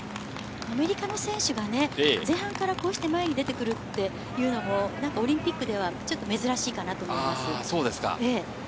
アメリカの選手が前半からこうして前に出てくるっていうのもオリンピックではちょっと珍しいかなと思います。